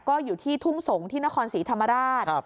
ก็อยู่ที่ทุ่งสงศ์ที่นครศรีธรรมราช